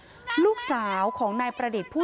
โชว์บ้านในพื้นที่เขารู้สึกยังไงกับเรื่องที่เกิดขึ้น